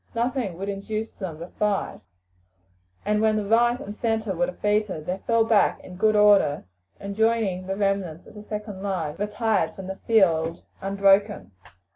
Nothing would induce them to fight, and when the right and centre were defeated they fell back in good order, and, joining the remnants of the second line, retired from the field unbroken.